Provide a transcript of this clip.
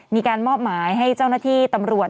มีการมอบหมายให้เจ้าหน้าที่ตำรวจ